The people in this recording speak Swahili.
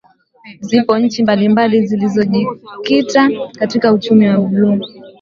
Zipo nchi mbalimbali zilizojikita katika uchumi wa buluu